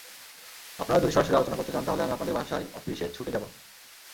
আপনারা যদি সরাসরি আলোচনা করতে চান, তাহলে আমি আপনাদের বাসায়-অফিসে ছুটে যাব।